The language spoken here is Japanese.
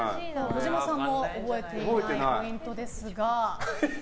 児嶋さんも覚えていないポイントですが。